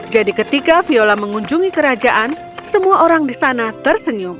jadi ketika viola mengunjungi kerajaan semua orang di sana tersenyum